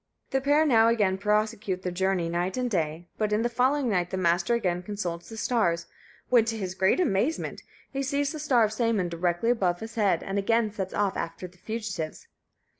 The pair now again prosecute their journey night and day; but, in the following night, the Master again consults the stars, when, to his great amazement, he sees the star of Sæmund directly above his head, and again sets off after the fugitives.